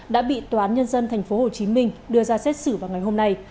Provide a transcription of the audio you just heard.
đã bị tòa án nhân dân tp hcm đưa ra xét xử vào ngày hôm nay